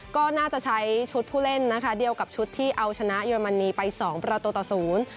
ก็น่าจะใช้ชุดผู้เล่นนะคะเดียวกับชุดที่เอาชนะเยอรมนีไปสองประตูต่อศูนย์